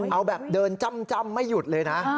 เอาแบบเดินจ้ำไม่หยุดเลยนะ